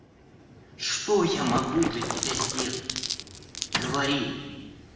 – Что я могу для тебя сделать? Говори.